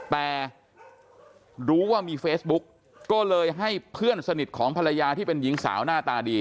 แต่รู้ว่ามีเฟซบุ๊กก็เลยให้เพื่อนสนิทของภรรยาที่เป็นหญิงสาวหน้าตาดี